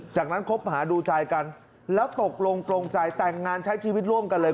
จากนั้นคบหาดูใจกันแล้วตกลงตรงใจแต่งงานใช้ชีวิตร่วมกันเลย